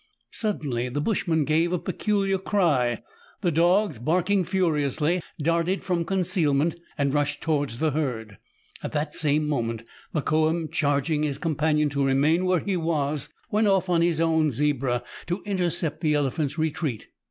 Suddenly the bushman gave a peculiar cry. The dogs, barking furiously, darted from concealment, and rushed to wards the herd. At the same moment, Mokoum, charging his companion to remain where he was, went off on his zebra to intercept the elephant's retreat.